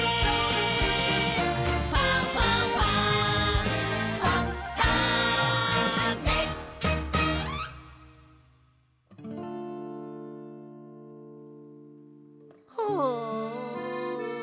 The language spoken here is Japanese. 「ファンファンファン」はあ。